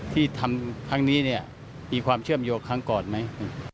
ที่ทำครั้งนี้เนี่ยมีความเชื่อมโยงครั้งก่อนไหม